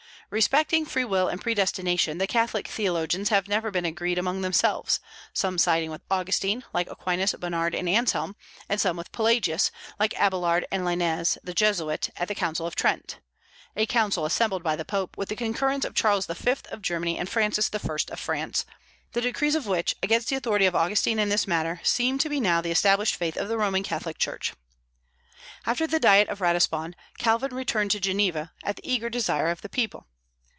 Respecting free will and predestination, the Catholic theologians have never been agreed among themselves, some siding with Augustine, like Aquinas, Bernard, and Anselm; and some with Pelagius, like Abélard and Lainez the Jesuit at the Council of Trent (a council assembled by the Pope, with the concurrence of Charles V. of Germany and Francis I. of France), the decrees of which, against the authority of Augustine in this matter, seem to be now the established faith of the Roman Catholic Church. After the Diet of Ratisbon, Calvin returned to Geneva, at the eager desire of the people.